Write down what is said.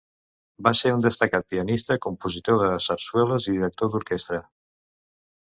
Va ser un destacat pianista, compositor de sarsueles i director d'orquestra.